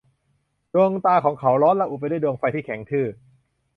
ดวงตาของเขาร้อนระอุไปด้วยดวงไฟที่แข็งทื่อ